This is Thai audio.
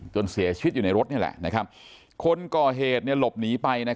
เสียชีวิตอยู่ในรถนี่แหละคนก่อเหตุหลบหนีไป